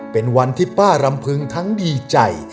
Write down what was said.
เป็นวันที่ป้ารำพึงทั้งดีใจ